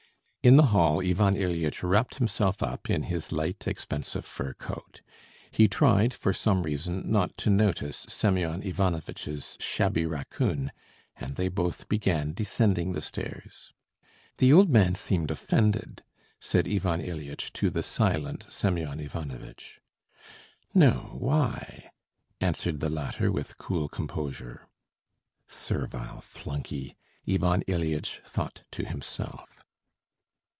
In the hall Ivan Ilyitch wrapped himself up in his light, expensive fur coat; he tried for some reason not to notice Semyon Ivanovitch's shabby raccoon, and they both began descending the stairs. "The old man seemed offended," said Ivan Ilyitch to the silent Semyon Ivanovitch. "No, why?" answered the latter with cool composure. "Servile flunkey," Ivan Ilyitch thought to himself.